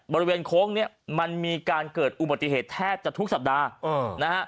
บริเวณโค้งเนี่ยมันมีการเกิดอุบัติเหตุแทบจะทุกสัปดาห์นะฮะ